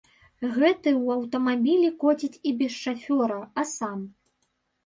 Гэты ў аўтамабілі коціць і без шафёра, а сам.